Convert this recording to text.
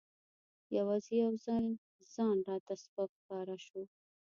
یوازې یو ځل ځان راته سپک ښکاره شو.